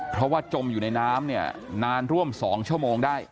เพราะว่าจมอยู่ในน้ำเนี่ยนานร่วม๒ชั่วโมงได้